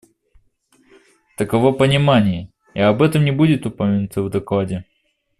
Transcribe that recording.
Таково понимание, и об этом не будет упомянуто в докладе.